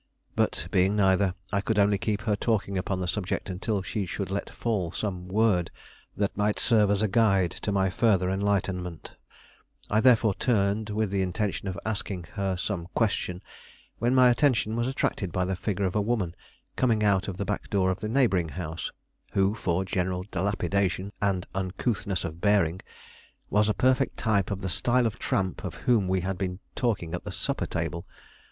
But being neither, I could only keep her talking upon the subject until she should let fall some word that might serve as a guide to my further enlightenment; I therefore turned, with the intention of asking her some question, when my attention was attracted by the figure of a woman coming out of the back door of the neighboring house, who, for general dilapidation and uncouthness of bearing, was a perfect type of the style of tramp of whom we had been talking at the supper table.